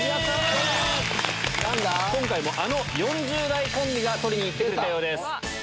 今回もあの４０代コンビが取りに行ってくれたようです。